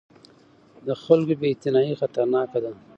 د خلکو بې اعتنايي خطرناکه ده